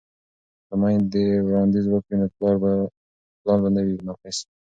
که میندې وړاندیز وکړي نو پلان به نه وي ناقص.